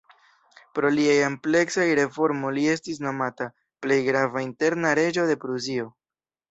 Pro liaj ampleksaj reformoj li estis nomata "plej grava interna reĝo de Prusio".